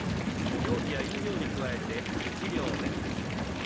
料理や飲料に加えて適量で。